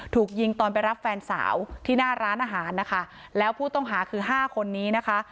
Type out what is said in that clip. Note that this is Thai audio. ถูกยิงตอนไปรับแฟนสาวที่หน้าร้านอาหารนะคะแล้วผู้ต้องหาคือห้าคนนี้นะคะ